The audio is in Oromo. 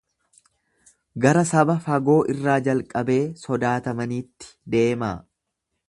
Gara saba fagoo irraa jalqabee sodaatamaniitti deemaa.